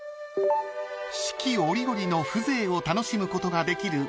［四季折々の風情を楽しむことができる］